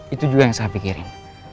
itu juga yang saya pikirin